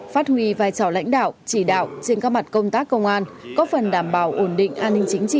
phát huy vai trò lãnh đạo chỉ đạo trên các mặt công tác công an có phần đảm bảo ổn định an ninh chính trị